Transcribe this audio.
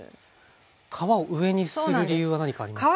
皮を上にする理由は何かありますか？